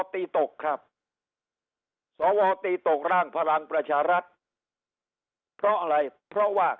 ตีตกครับสวตีตกร่างพลังประชารัฐเพราะอะไรเพราะว่า